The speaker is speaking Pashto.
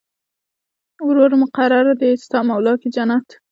وروره مقر دې ستا مولا کې جنت.